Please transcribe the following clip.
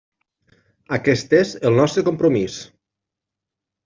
Aquest és el nostre compromís.